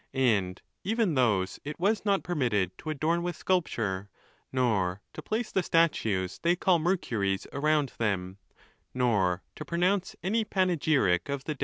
459 and even those 1t was not permitted to adorn with sculpture, nor to place the statues they call Mercuries around them ; nor to pronounce any panegyric of the.